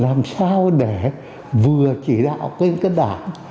làm sao để vừa chỉ đạo kênh cất đảng